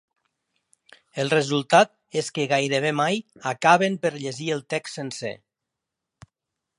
El resultat és que gairebé mai acaben per llegir el text sencer.